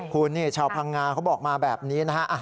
คุณนี่ชาวพังงาเขาบอกมาแบบนี้นะฮะ